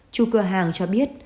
chú cơ hàng cho biết